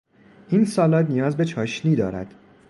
این سالاد نیاز به چاشنی دارد.